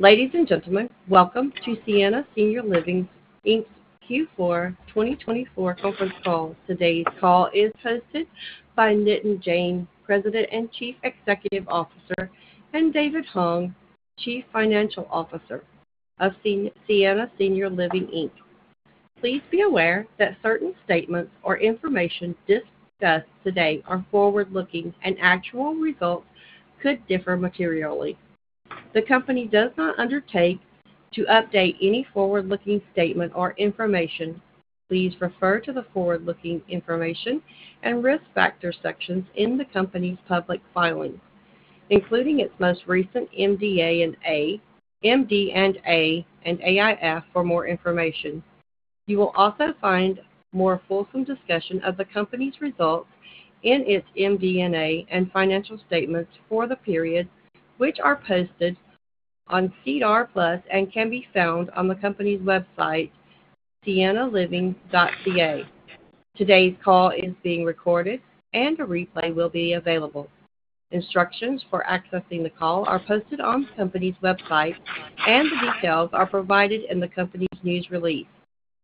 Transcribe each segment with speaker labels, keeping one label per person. Speaker 1: Ladies and gentlemen, welcome to Sienna Senior Living Q4 2024 conference call. Today's call is hosted by Nitin Jain, President and Chief Executive Officer, and David Hung, Chief Financial Officer of Sienna Senior Living. Please be aware that certain statements or information discussed today are forward-looking, and actual results could differ materially. The company does not undertake to update any forward-looking statement or information. Please refer to the forward-looking information and risk factor sections in the company's public filings, including its most recent MD&A and AIF for more information. You will also find more fulsome discussion of the company's results in its MD&A and financial statements for the period, which are posted on Cedar Plus and can be found on the company's website, siennaliving.ca. Today's call is being recorded, and a replay will be available. Instructions for accessing the call are posted on the company's website, and the details are provided in the company's news release.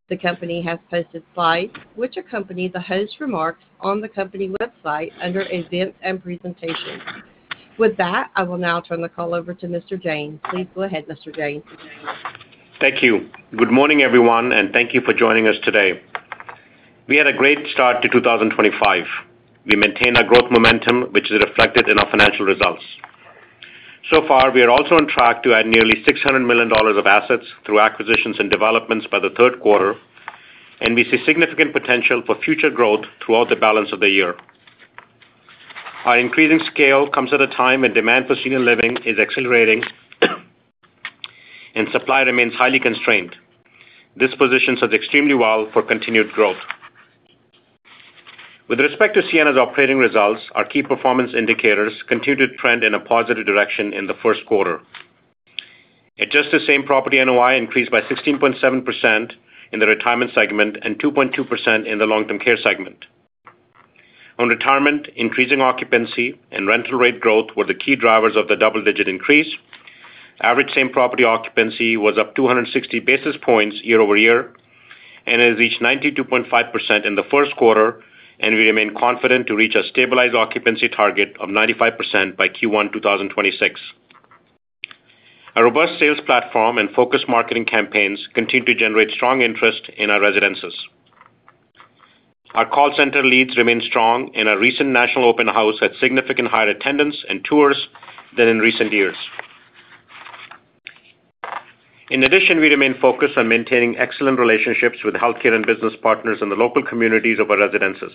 Speaker 1: The company has posted slides which accompany the host's remarks on the company website under Events and Presentations. With that, I will now turn the call over to Mr. Jain. Please go ahead, Mr. Jain.
Speaker 2: Thank you. Good morning, everyone, and thank you for joining us today. We had a great start to 2025. We maintain our growth momentum, which is reflected in our financial results. So far, we are also on track to add nearly 600 million dollars of assets through acquisitions and developments by the third quarter, and we see significant potential for future growth throughout the balance of the year. Our increasing scale comes at a time when demand for senior living is accelerating, and supply remains highly constrained. This positions us extremely well for continued growth. With respect to Sienna's operating results, our key performance indicators continue to trend in a positive direction in the first quarter. Adjusted same property NOI increased by 16.7% in the retirement segment and 2.2% in the long-term care segment. On retirement, increasing occupancy and rental rate growth were the key drivers of the double-digit increase. Average same property occupancy was up 260 basis points year over year, and it has reached 92.5% in the first quarter, and we remain confident to reach a stabilized occupancy target of 95% by Q1 2026. Our robust sales platform and focused marketing campaigns continue to generate strong interest in our residences. Our call center leads remain strong, and our recent National Open House had significantly higher attendance and tours than in recent years. In addition, we remain focused on maintaining excellent relationships with healthcare and business partners in the local communities of our residences.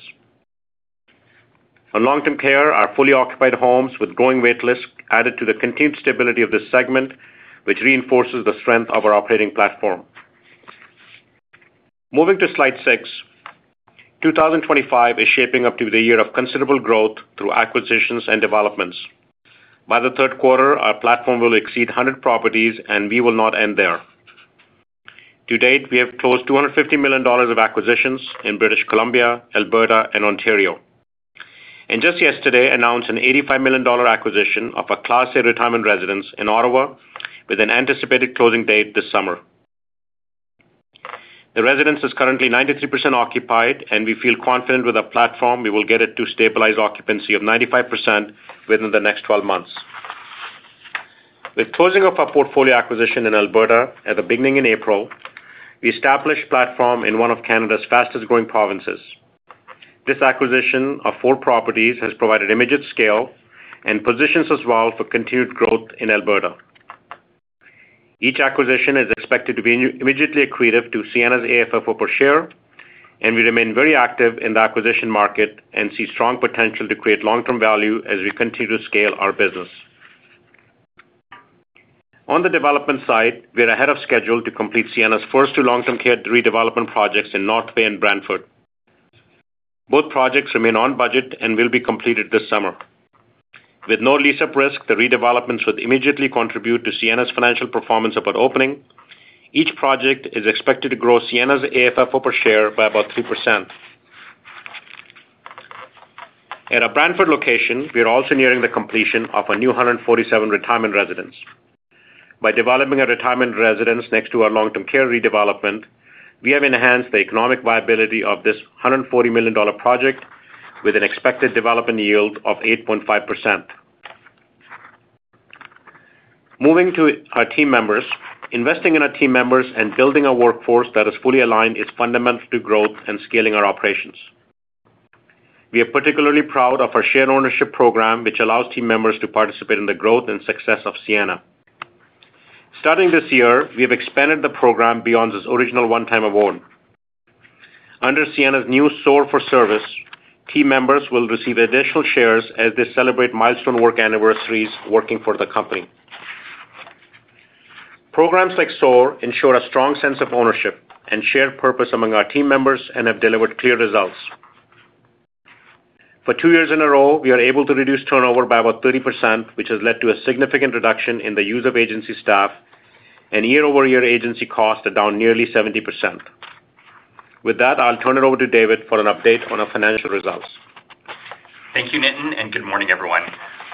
Speaker 2: On long-term care, our fully occupied homes with growing waitlist added to the continued stability of this segment, which reinforces the strength of our operating platform. Moving to slide six, 2025 is shaping up to be the year of considerable growth through acquisitions and developments. By the third quarter, our platform will exceed 100 properties, and we will not end there. To date, we have closed 250 million dollars of acquisitions in British Columbia, Alberta, and Ontario, and just yesterday announced a 85 million dollar acquisition of a Class A retirement residence in Ottawa with an anticipated closing date this summer. The residence is currently 93% occupied, and we feel confident with our platform we will get it to stabilize occupancy of 95% within the next 12 months. With closing of our portfolio acquisition in Alberta at the beginning in April, we established a platform in one of Canada's fastest-growing provinces. This acquisition of four properties has provided immediate scale and positions us well for continued growth in Alberta. Each acquisition is expected to be immediately accretive to Sienna's AFFO per share, and we remain very active in the acquisition market and see strong potential to create long-term value as we continue to scale our business. On the development side, we are ahead of schedule to complete Sienna's first two long-term care redevelopment projects in North Bay and Brantford. Both projects remain on budget and will be completed this summer. With no lease-up risk, the redevelopments would immediately contribute to Sienna's financial performance upon opening. Each project is expected to grow Sienna's AFFO per share by about 3%. At our Brantford location, we are also nearing the completion of a new 147 retirement residence. By developing a retirement residence next to our long-term care redevelopment, we have enhanced the economic viability of this 140 million dollar project with an expected development yield of 8.5%. Moving to our team members, investing in our team members and building a workforce that is fully aligned is fundamental to growth and scaling our operations. We are particularly proud of our share ownership program, which allows team members to participate in the growth and success of Sienna. Starting this year, we have expanded the program beyond its original one-time award. Under Sienna's new SOAR for service, team members will receive additional shares as they celebrate milestone work anniversaries working for the company. Programs like SOAR ensure a strong sense of ownership and shared purpose among our team members and have delivered clear results. For two years in a row, we are able to reduce turnover by about 30%, which has led to a significant reduction in the use of agency staff and year-over-year agency costs are down nearly 70%. With that, I'll turn it over to David for an update on our financial results.
Speaker 3: Thank you, Nitin, and good morning, everyone.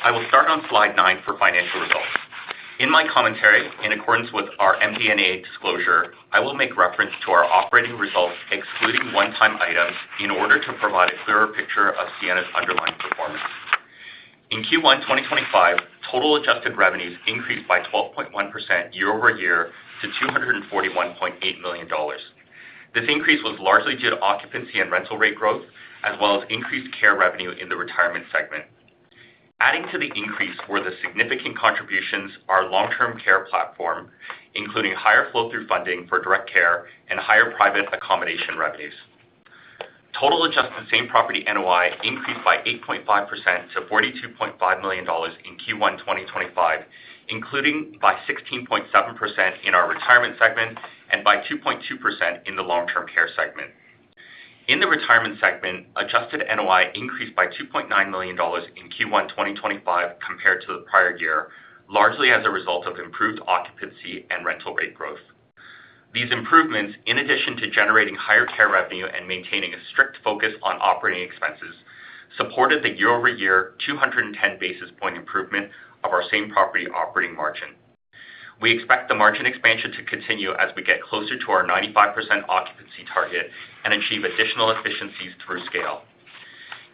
Speaker 3: I will start on slide nine for financial results. In my commentary, in accordance with our MD&A disclosure, I will make reference to our operating results excluding one-time items in order to provide a clearer picture of Sienna's underlying performance. In Q1 2025, total adjusted revenues increased by 12.1% year over year to 241.8 million dollars. This increase was largely due to occupancy and rental rate growth, as well as increased care revenue in the retirement segment. Adding to the increase were the significant contributions to our long-term care platform, including higher flow-through funding for direct care and higher private accommodation revenues. Total adjusted same property NOI increased by 8.5% to 42.5 million dollars in Q1 2025, including by 16.7% in our retirement segment and by 2.2% in the long-term care segment. In the retirement segment, adjusted NOI increased by 2.9 million dollars in Q1 2025 compared to the prior year, largely as a result of improved occupancy and rental rate growth. These improvements, in addition to generating higher care revenue and maintaining a strict focus on operating expenses, supported the year-over-year 210 basis point improvement of our same property operating margin. We expect the margin expansion to continue as we get closer to our 95% occupancy target and achieve additional efficiencies through scale.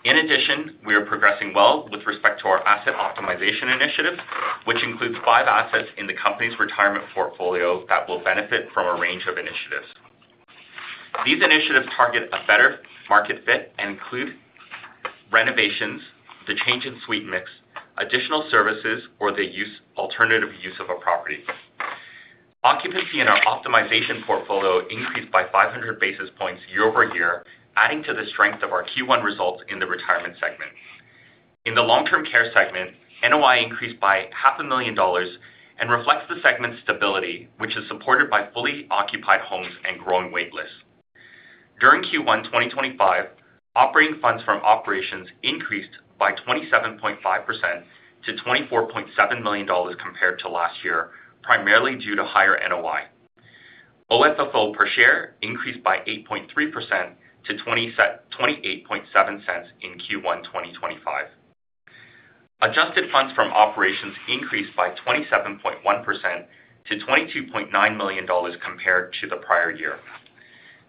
Speaker 3: In addition, we are progressing well with respect to our asset optimization initiative, which includes five assets in the company's retirement portfolio that will benefit from a range of initiatives. These initiatives target a better market fit and include renovations, the change in suite mix, additional services, or the alternative use of a property. Occupancy in our optimization portfolio increased by 500 basis points year over year, adding to the strength of our Q1 results in the retirement segment. In the long-term care segment, NOI increased by $500,000 and reflects the segment's stability, which is supported by fully occupied homes and growing waitlist. During Q1 2025, operating funds from operations increased by 27.5% to 24.7 million dollars compared to last year, primarily due to higher NOI. OFFO per share increased by 8.3% to 28.7 in Q1 2025. Adjusted funds from operations increased by 27.1% to 22.9 million dollars compared to the prior year.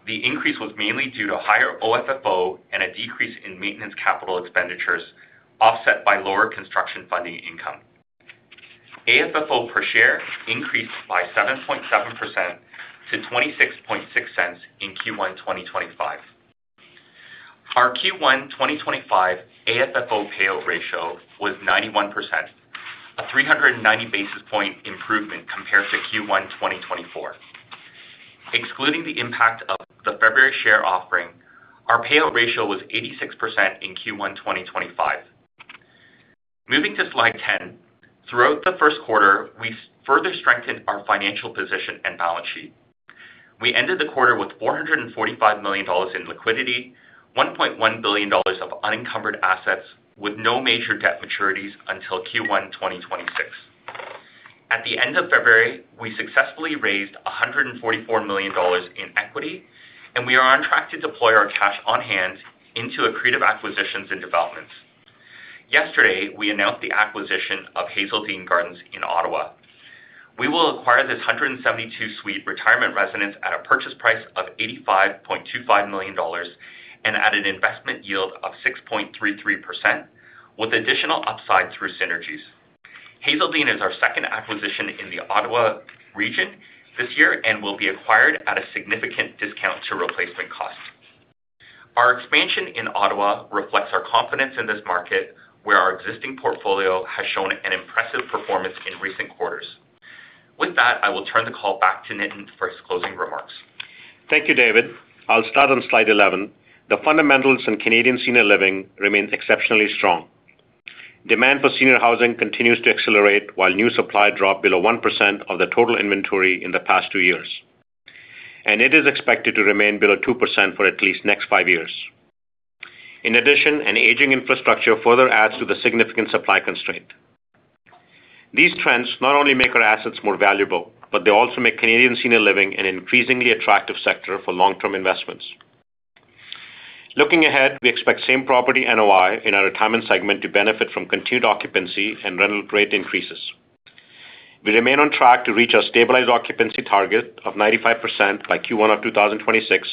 Speaker 3: The increase was mainly due to higher OFFO and a decrease in maintenance capital expenditures offset by lower construction funding income. AFFO per share increased by 7.7% to 26.6 in Q1 2025. Our Q1 2025 AFFO payout ratio was 91%, a 390 basis point improvement compared to Q1 2024. Excluding the impact of the February share offering, our payout ratio was 86% in Q1 2025. Moving to slide 10, throughout the first quarter, we further strengthened our financial position and balance sheet. We ended the quarter with 445 million dollars in liquidity, 1.1 billion dollars of unencumbered assets with no major debt maturities until Q1 2026. At the end of February, we successfully raised 144 million dollars in equity, and we are on track to deploy our cash on hand into accretive acquisitions and developments. Yesterday, we announced the acquisition of Hazeldine Gardens in Ottawa. We will acquire this 172-suite retirement residence at a purchase price of 85.25 million dollars and at an investment yield of 6.33%, with additional upside through synergies. Hazeldine is our second acquisition in the Ottawa region this year and will be acquired at a significant discount to replacement cost. Our expansion in Ottawa reflects our confidence in this market, where our existing portfolio has shown an impressive performance in recent quarters. With that, I will turn the call back to Nitin for his closing remarks.
Speaker 2: Thank you, David. I'll start on slide 11. The fundamentals in Canadian senior living remain exceptionally strong. Demand for senior housing continues to accelerate while new supply dropped below 1% of the total inventory in the past two years, and it is expected to remain below 2% for at least the next five years. In addition, an aging infrastructure further adds to the significant supply constraint. These trends not only make our assets more valuable, but they also make Canadian senior living an increasingly attractive sector for long-term investments. Looking ahead, we expect same property NOI in our retirement segment to benefit from continued occupancy and rental rate increases. We remain on track to reach our stabilized occupancy target of 95% by Q1 of 2026.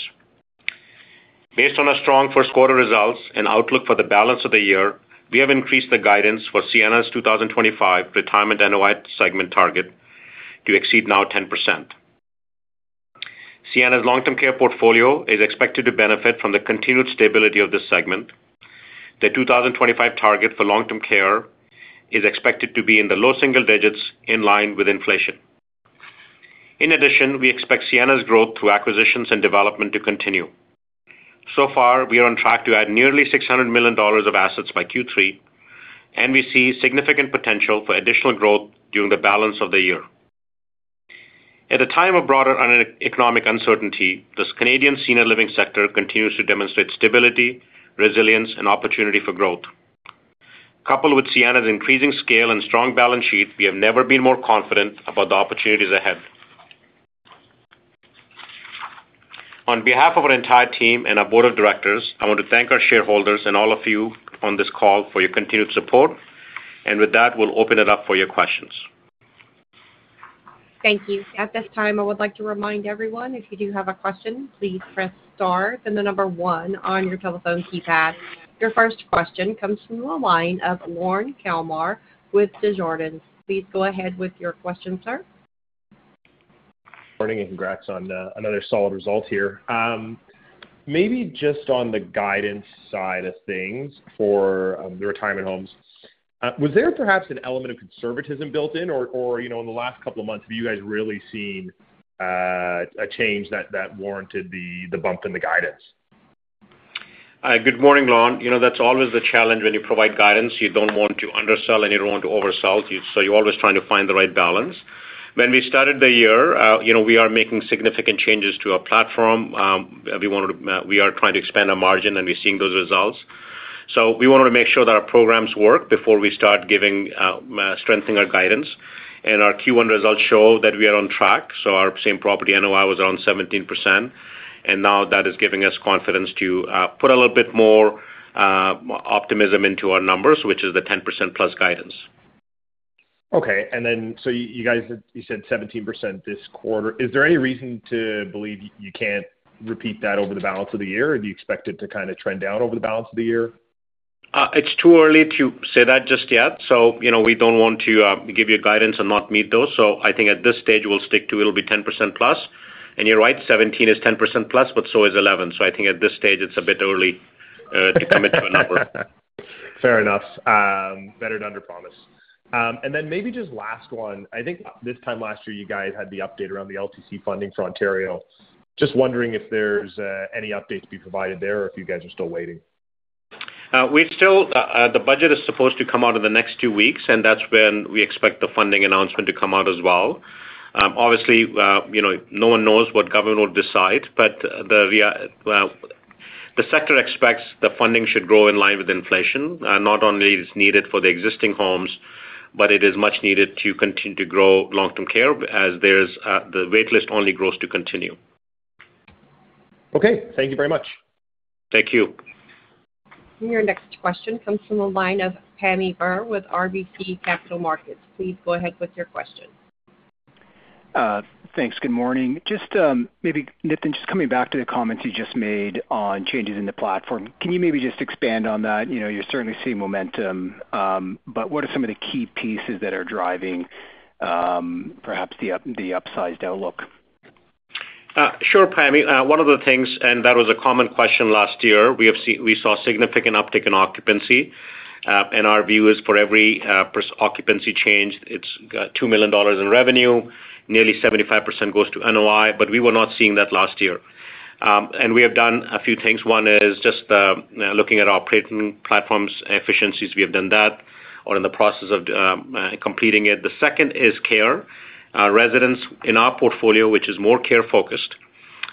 Speaker 2: Based on our strong first-quarter results and outlook for the balance of the year, we have increased the guidance for Sienna's 2025 retirement NOI segment target to exceed now 10%. Sienna's long-term care portfolio is expected to benefit from the continued stability of this segment. The 2025 target for long-term care is expected to be in the low single digits in line with inflation. In addition, we expect Sienna's growth through acquisitions and development to continue. So far, we are on track to add nearly 600 million dollars of assets by Q3, and we see significant potential for additional growth during the balance of the year. At a time of broader economic uncertainty, the Canadian senior living sector continues to demonstrate stability, resilience, and opportunity for growth. Coupled with Sienna's increasing scale and strong balance sheet, we have never been more confident about the opportunities ahead. On behalf of our entire team and our board of directors, I want to thank our shareholders and all of you on this call for your continued support, and with that, we'll open it up for your questions.
Speaker 1: Thank you. At this time, I would like to remind everyone, if you do have a question, please press star then the number one on your telephone keypad. Your first question comes from the line of Lorne Kalmar with Desjardins. Please go ahead with your question, sir.
Speaker 4: Morning and congrats on another solid result here. Maybe just on the guidance side of things for the retirement homes, was there perhaps an element of conservatism built in, or in the last couple of months, have you guys really seen a change that warranted the bump in the guidance?
Speaker 2: Good morning, Lorne. That's always the challenge when you provide guidance. You don't want to undersell and you don't want to oversell, so you're always trying to find the right balance. When we started the year, we are making significant changes to our platform. We are trying to expand our margin, and we're seeing those results. We wanted to make sure that our programs work before we start strengthening our guidance. Our Q1 results show that we are on track. Our same property NOI was around 17%, and now that is giving us confidence to put a little bit more optimism into our numbers, which is the 10%+ guidance.
Speaker 4: Okay. You said 17% this quarter. Is there any reason to believe you can't repeat that over the balance of the year, or do you expect it to kind of trend down over the balance of the year?
Speaker 2: It's too early to say that just yet. We do not want to give you guidance and not meet those. I think at this stage, we'll stick to it'll be 10% plus. You're right, 17 is 10% plus, but so is 11. I think at this stage, it's a bit early to commit to a number.
Speaker 4: Fair enough. Better to under promise. Maybe just last one. I think this time last year, you guys had the update around the LTC funding for Ontario. Just wondering if there's any update to be provided there or if you guys are still waiting.
Speaker 2: The budget is supposed to come out in the next two weeks, and that's when we expect the funding announcement to come out as well. Obviously, no one knows what government will decide, but the sector expects the funding should grow in line with inflation. Not only is it needed for the existing homes, but it is much needed to continue to grow long-term care as the waitlist only grows to continue.
Speaker 4: Okay. Thank you very much.
Speaker 2: Thank you.
Speaker 1: Your next question comes from the line of Pammi Bir with RBC Capital Markets. Please go ahead with your question.
Speaker 5: Thanks. Good morning. Just maybe, Nitin, just coming back to the comments you just made on changes in the platform, can you maybe just expand on that? You're certainly seeing momentum, but what are some of the key pieces that are driving perhaps the upsized outlook?
Speaker 2: Sure, Pammy. One of the things, and that was a common question last year, we saw a significant uptick in occupancy. Our view is for every occupancy change, it is 2 million dollars in revenue, nearly 75% goes to NOI, but we were not seeing that last year. We have done a few things. One is just looking at our platform's efficiencies. We have done that. We are in the process of completing it. The second is care. Residents in our portfolio, which is more care-focused.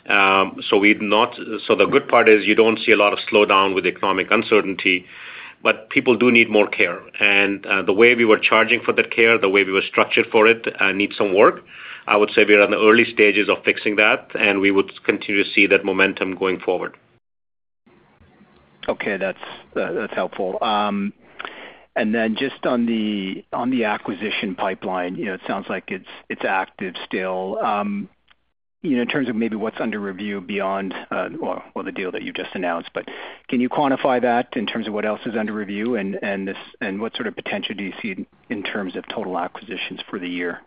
Speaker 2: The good part is you do not see a lot of slowdown with economic uncertainty, but people do need more care. The way we were charging for that care, the way we were structured for it, needs some work. I would say we are in the early stages of fixing that, and we would continue to see that momentum going forward.
Speaker 5: Okay. That's helpful. Then just on the acquisition pipeline, it sounds like it's active still. In terms of maybe what's under review beyond, well, the deal that you just announced, can you quantify that in terms of what else is under review and what sort of potential do you see in terms of total acquisitions for the year?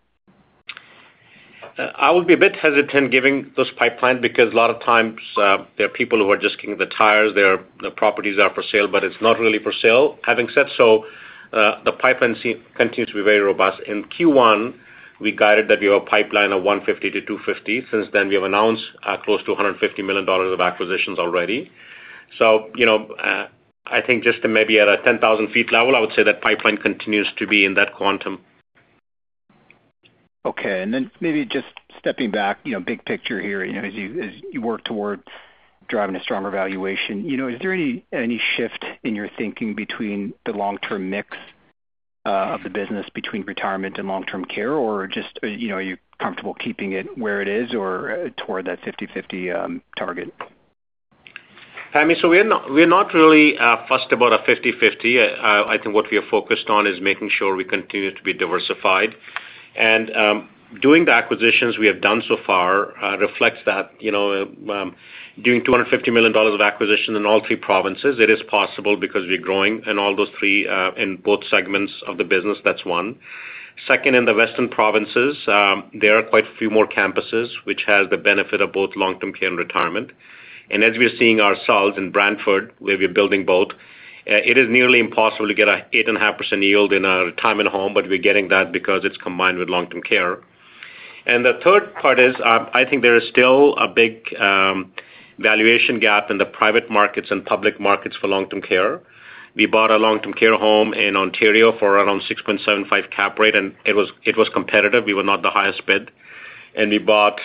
Speaker 2: I would be a bit hesitant giving those pipelines because a lot of times there are people who are just kicking the tires. Their properties are for sale, but it's not really for sale. Having said so, the pipeline continues to be very robust. In Q1, we guided that we have a pipeline of 150-250. Since then, we have announced close to 150 million dollars of acquisitions already. I think just to maybe at a 10,000 feet level, I would say that pipeline continues to be in that quantum.
Speaker 5: Okay. Maybe just stepping back, big picture here, as you work toward driving a stronger valuation, is there any shift in your thinking between the long-term mix of the business between retirement and long-term care, or are you comfortable keeping it where it is or toward that 50/50 target?
Speaker 2: Pammy, we are not really fussed about a 50/50. I think what we are focused on is making sure we continue to be diversified. Doing the acquisitions we have done so far reflects that. Doing 250 million dollars of acquisitions in all three provinces, it is possible because we are growing in all those three in both segments of the business. That is one. Second, in the western provinces, there are quite a few more campuses, which has the benefit of both long-term care and retirement. As we are seeing ourselves in Brantford, where we are building both, it is nearly impossible to get an 8.5% yield in a retirement home, but we are getting that because it is combined with long-term care. The third part is I think there is still a big valuation gap in the private markets and public markets for long-term care. We bought a long-term care home in Ontario for around 6.75% cap rate, and it was competitive. We were not the highest bid. We bought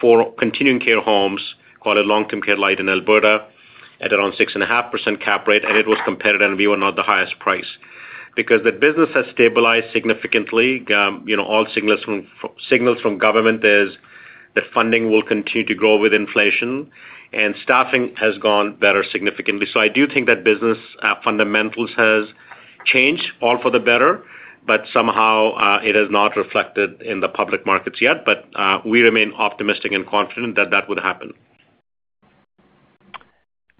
Speaker 2: four continuing care homes called a long-term care light in Alberta at around 6.5% cap rate, and it was competitive, and we were not the highest price. Because the business has stabilized significantly, all signals from government is that funding will continue to grow with inflation, and staffing has gone better significantly. I do think that business fundamentals have changed all for the better, but somehow it has not reflected in the public markets yet. We remain optimistic and confident that that would happen.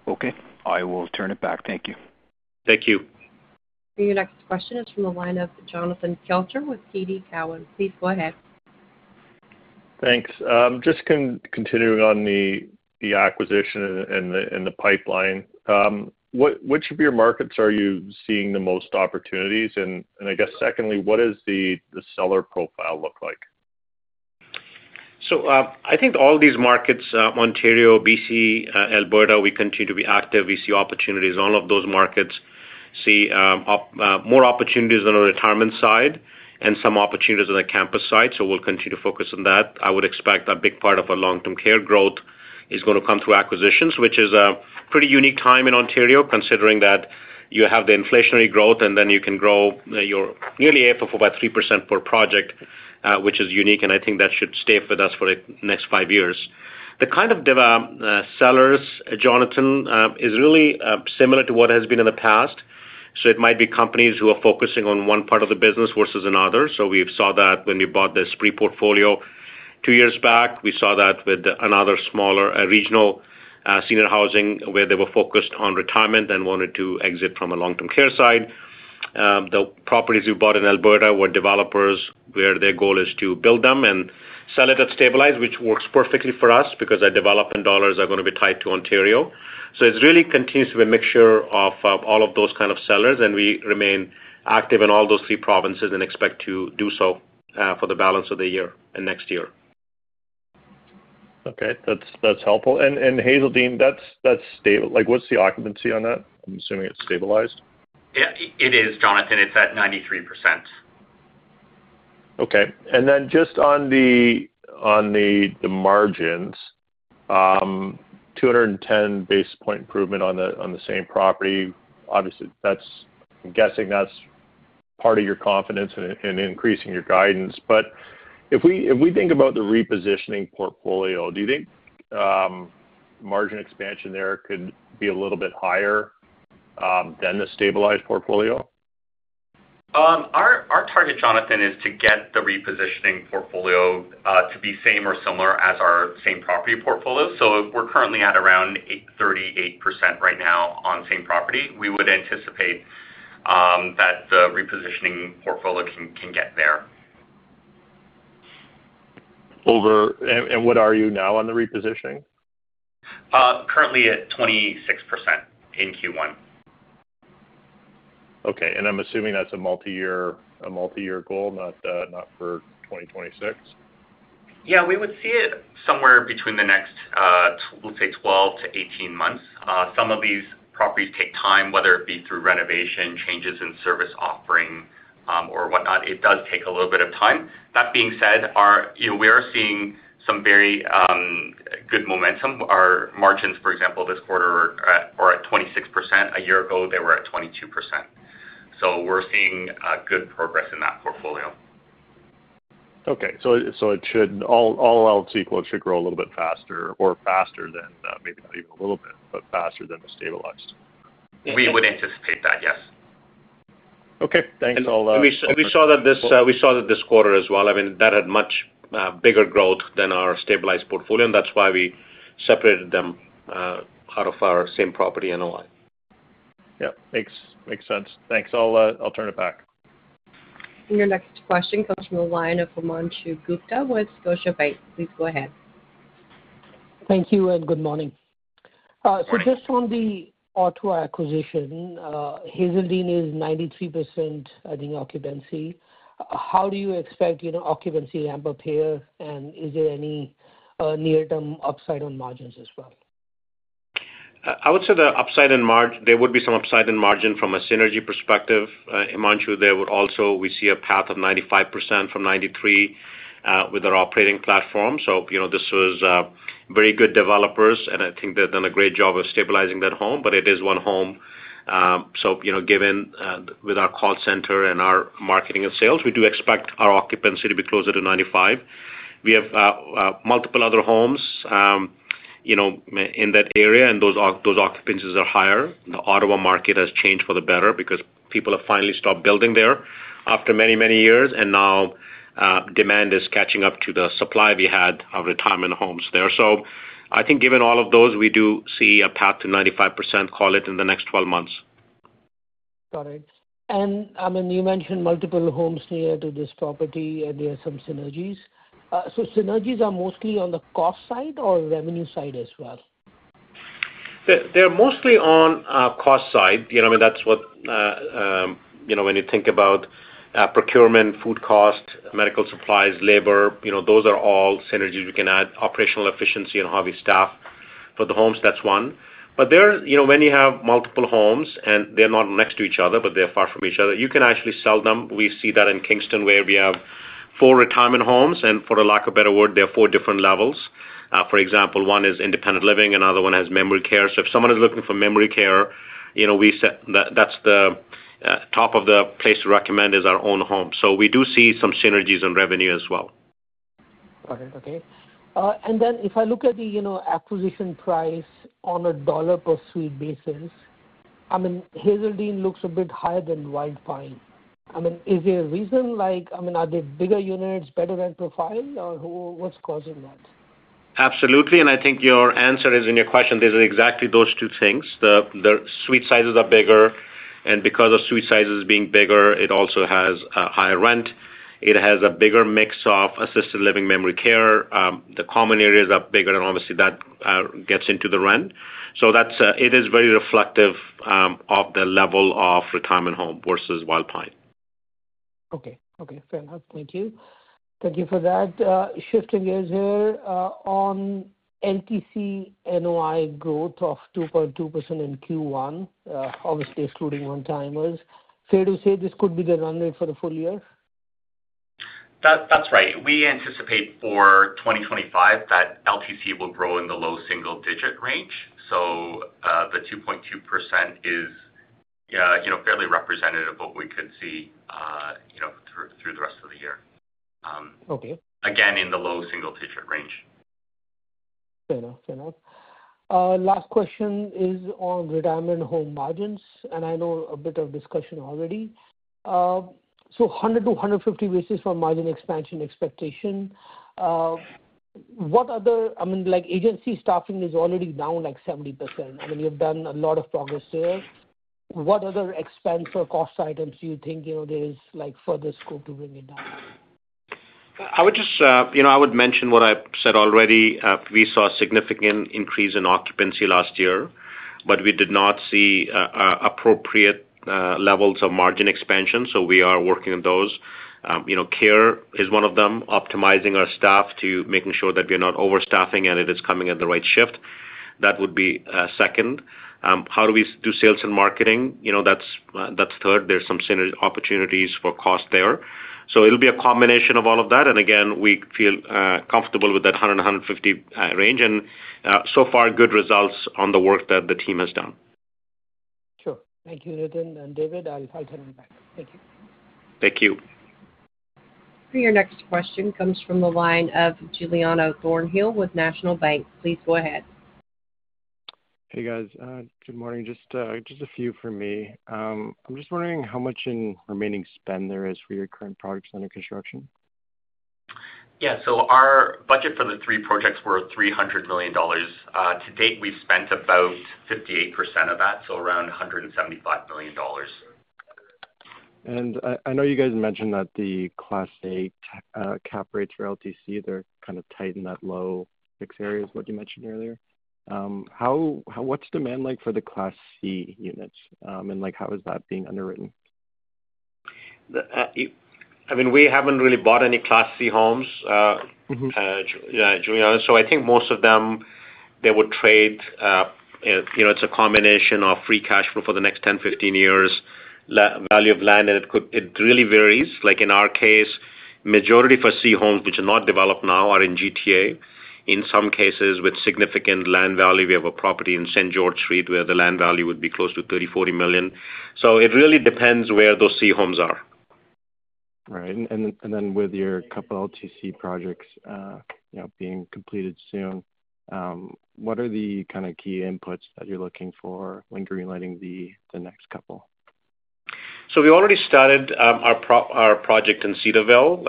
Speaker 5: Okay. I will turn it back. Thank you.
Speaker 2: Thank you.
Speaker 1: Your next question is from the line of Jonathan Kelcher with TD Cowen. Please go ahead.
Speaker 6: Thanks. Just continuing on the acquisition and the pipeline, which of your markets are you seeing the most opportunities? I guess secondly, what does the seller profile look like?
Speaker 2: I think all these markets, Ontario, BC, Alberta, we continue to be active. We see opportunities. All of those markets see more opportunities on the retirement side and some opportunities on the campus side. We'll continue to focus on that. I would expect a big part of our long-term care growth is going to come through acquisitions, which is a pretty unique time in Ontario considering that you have the inflationary growth, and then you can grow nearly 8.45% per project, which is unique, and I think that should stay with us for the next five years. The kind of sellers, Jonathan, is really similar to what has been in the past. It might be companies who are focusing on one part of the business versus another. We saw that when we bought this pre-portfolio two years back. We saw that with another smaller regional senior housing where they were focused on retirement and wanted to exit from a long-term care side. The properties we bought in Alberta were developers where their goal is to build them and sell it at stabilized, which works perfectly for us because our development dollars are going to be tied to Ontario. It really continues to be a mixture of all of those kinds of sellers, and we remain active in all those three provinces and expect to do so for the balance of the year and next year.
Speaker 6: Okay. That's helpful. And Hazeldine, that's stable. What's the occupancy on that? I'm assuming it's stabilized.
Speaker 3: It is, Jonathan. It's at 93%.
Speaker 6: Okay. And then just on the margins, 210 basis point improvement on the same property. Obviously, I'm guessing that's part of your confidence in increasing your guidance. If we think about the repositioning portfolio, do you think margin expansion there could be a little bit higher than the stabilized portfolio?
Speaker 3: Our target, Jonathan, is to get the repositioning portfolio to be same or similar as our same property portfolio. We are currently at around 38% right now on same property. We would anticipate that the repositioning portfolio can get there.
Speaker 6: What are you now on the repositioning?
Speaker 3: Currently at 26% in Q1.
Speaker 6: Okay. I'm assuming that's a multi-year goal, not for 2026?
Speaker 3: Yeah. We would see it somewhere between the next, let's say, 12-18 months. Some of these properties take time, whether it be through renovation, changes in service offering, or whatnot. It does take a little bit of time. That being said, we are seeing some very good momentum. Our margins, for example, this quarter are at 26%. A year ago, they were at 22%. So we're seeing good progress in that portfolio.
Speaker 6: Okay. All else equal, it should grow a little bit faster or faster than, maybe not even a little bit, but faster than the stabilized.
Speaker 3: We would anticipate that, yes.
Speaker 6: Okay. Thanks.
Speaker 2: We saw that this quarter as well. I mean, that had much bigger growth than our stabilized portfolio. That is why we separated them out of our same property NOI.
Speaker 6: Yeah. Makes sense. Thanks. I'll turn it back.
Speaker 1: Your next question comes from the line of Himanshu Gupta with Scotiabank. Please go ahead.
Speaker 7: Thank you and good morning. Just on the Ottawa acquisition, Hazeldine is 93% occupancy. How do you expect occupancy to ramp up here? Is there any near-term upside on margins as well?
Speaker 2: I would say there would be some upside in margin from a synergy perspective. In Montreal, there would also be a path of 95% from 93% with our operating platform. This was very good developers, and I think they've done a great job of stabilizing that home. It is one home. Given with our call center and our marketing and sales, we do expect our occupancy to be closer to 95%. We have multiple other homes in that area, and those occupancies are higher. The Ottawa market has changed for the better because people have finally stopped building there after many, many years. Now demand is catching up to the supply we had of retirement homes there. I think given all of those, we do see a path to 95%, call it, in the next 12 months.
Speaker 7: Got it. I mean, you mentioned multiple homes near to this property, and there are some synergies. So synergies are mostly on the cost side or revenue side as well?
Speaker 2: They're mostly on the cost side. I mean, that's what, when you think about procurement, food cost, medical supplies, labor, those are all synergies we can add. Operational efficiency and how we staff for the homes, that's one. When you have multiple homes, and they're not next to each other, but they're far from each other, you can actually sell them. We see that in Kingston, where we have four retirement homes. For a lack of a better word, there are four different levels. For example, one is independent living. Another one has memory care. If someone is looking for memory care, the top of the place to recommend is our own home. We do see some synergies in revenue as well.
Speaker 7: Got it. Okay. If I look at the acquisition price on a dollar-per-suite basis, I mean, Hazeldine looks a bit higher than Wildfire. I mean, is there a reason? I mean, are they bigger units, better rent profile, or what is causing that?
Speaker 2: Absolutely. I think your answer is in your question. These are exactly those two things. The suite sizes are bigger. Because of suite sizes being bigger, it also has a higher rent. It has a bigger mix of assisted living, memory care. The common areas are bigger, and obviously, that gets into the rent. It is very reflective of the level of retirement home versus Wildfire.
Speaker 7: Okay. Okay. Fair enough. Thank you. Thank you for that. Shifting gears here on LTC NOI growth of 2.2% in Q1, obviously excluding one-timers. Fair to say this could be the runway for the full year?
Speaker 3: That's right. We anticipate for 2025 that LTC will grow in the low single-digit range. The 2.2% is fairly representative of what we could see through the rest of the year. Again, in the low single-digit range.
Speaker 7: Fair enough. Fair enough. Last question is on retirement home margins. I know a bit of discussion already. So 100-150 basis points for margin expansion expectation. I mean, agency staffing is already down like 70%. I mean, you've done a lot of progress there. What other expense or cost items do you think there is further scope to bring it down?
Speaker 2: I would just mention what I said already. We saw a significant increase in occupancy last year, but we did not see appropriate levels of margin expansion. We are working on those. Care is one of them, optimizing our staff to making sure that we are not overstaffing and it is coming at the right shift. That would be second. How do we do sales and marketing? That is third. There are some opportunities for cost there. It will be a combination of all of that. Again, we feel comfortable with that 100-150 range. So far, good results on the work that the team has done.
Speaker 7: Sure. Thank you, Nitin and David. I'll turn it back. Thank you.
Speaker 2: Thank you.
Speaker 1: Your next question comes from the line of Giuliano Thornhill with National Bank. Please go ahead.
Speaker 8: Hey, guys. Good morning. Just a few for me. I'm just wondering how much in remaining spend there is for your current projects under construction.
Speaker 3: Yeah. Our budget for the three projects was 300 million dollars. To date, we've spent about 58% of that, so around 175 million dollars.
Speaker 8: I know you guys mentioned that the Class A cap rates for LTC, they're kind of tight in that low fixed area, is what you mentioned earlier. What's demand like for the Class C units? And how is that being underwritten?
Speaker 2: I mean, we haven't really bought any Class C homes, Juliana. I think most of them, they would trade; it's a combination of free cash flow for the next 10-15 years, value of land. It really varies. In our case, majority for C homes, which are not developed now, are in GTA. In some cases, with significant land value, we have a property in St. George Street where the land value would be close to 30 million-40 million. It really depends where those C homes are.
Speaker 8: Right. With your couple LTC projects being completed soon, what are the kind of key inputs that you're looking for when greenlighting the next couple?
Speaker 2: We already started our project in Cedar Vale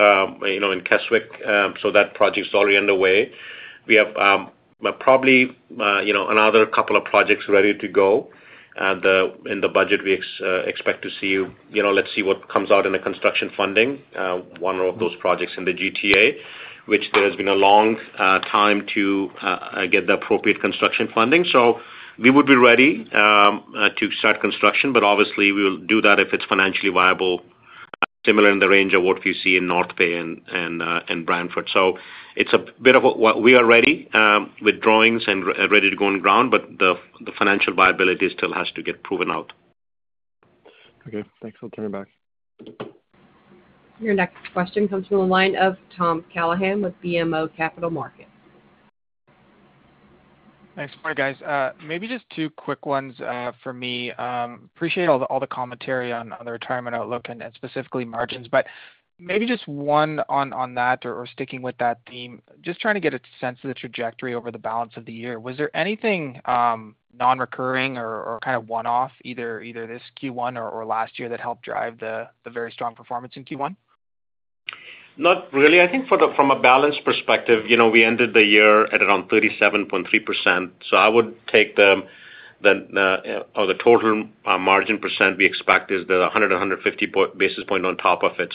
Speaker 2: in Keswick. That project is already underway. We have probably another couple of projects ready to go. In the budget, we expect to see—let's see what comes out in the construction funding—one of those projects in the GTA, which there has been a long time to get the appropriate construction funding. We would be ready to start construction, but obviously, we will do that if it is financially viable, similar in the range of what we see in North Bay and Brantford. It is a bit of what we are ready with drawings and ready to go on ground, but the financial viability still has to get proven out.
Speaker 8: Okay. Thanks. I'll turn it back.
Speaker 1: Your next question comes from the line of Tom Callaghan with BMO Capital Markets.
Speaker 9: Thanks for joining us, guys. Maybe just two quick ones for me. Appreciate all the commentary on the retirement outlook and specifically margins. Maybe just one on that or sticking with that theme, just trying to get a sense of the trajectory over the balance of the year. Was there anything non-recurring or kind of one-off, either this Q1 or last year, that helped drive the very strong performance in Q1?
Speaker 2: Not really. I think from a balance perspective, we ended the year at around 37.3%. I would take the total margin % we expect is the 100-150 basis point on top of it.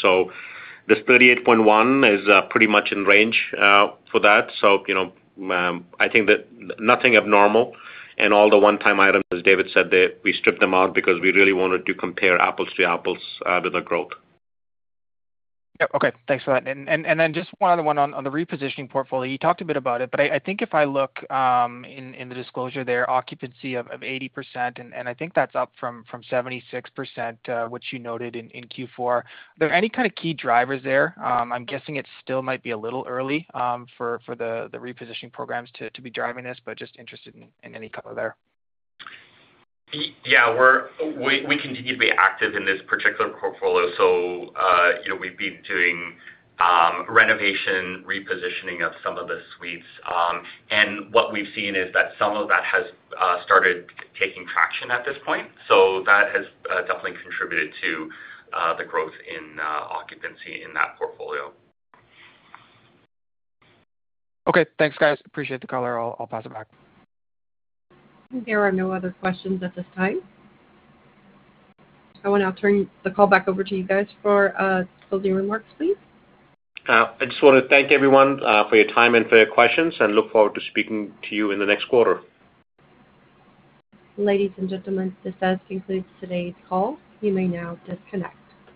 Speaker 2: This 38.1% is pretty much in range for that. I think that nothing abnormal. All the one-time items, as David said, we stripped them out because we really wanted to compare apples to apples with our growth.
Speaker 9: Yep. Okay. Thanks for that. Just one other one on the repositioning portfolio. You talked a bit about it, but I think if I look in the disclosure there, occupancy of 80%, and I think that's up from 76%, which you noted in Q4. Are there any kind of key drivers there? I'm guessing it still might be a little early for the repositioning programs to be driving this, but just interested in any color there.
Speaker 3: Yeah. We continue to be active in this particular portfolio. We've been doing renovation, repositioning of some of the suites. What we've seen is that some of that has started taking traction at this point. That has definitely contributed to the growth in occupancy in that portfolio.
Speaker 9: Okay. Thanks, guys. Appreciate the color. I'll pass it back.
Speaker 1: There are no other questions at this time. I will now turn the call back over to you guys for closing remarks, please.
Speaker 2: I just want to thank everyone for your time and for your questions, and look forward to speaking to you in the next quarter.
Speaker 1: Ladies and gentlemen, this does conclude today's call. You may now disconnect.